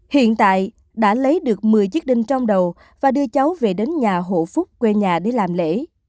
hiện tại đã lấy được một mươi chiếc đinh trong đầu và đưa cháu về đến nhà hộ phúc quê nhà để làm lễ